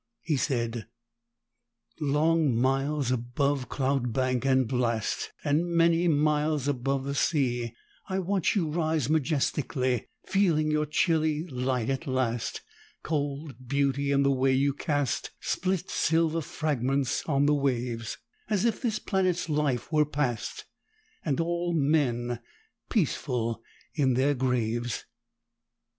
He said: "Long miles above cloud bank and blast, And many miles above the sea, I watch you rise majestically Feeling your chilly light at last Cold beauty in the way you cast Split silver fragments on the waves, As if this planet's life were past, And all men peaceful in their graves."